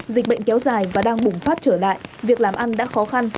dịch bệnh kéo dài và đang bùng phát trở lại việc làm ăn đã khó khăn